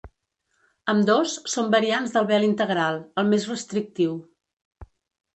Ambdós són variants del vel integral, el més restrictiu.